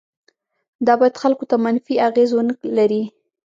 دا باید خلکو ته منفي اغیز ونه لري.